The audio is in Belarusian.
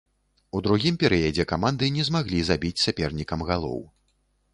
У другім перыядзе каманды не змаглі забіць сапернікам галоў.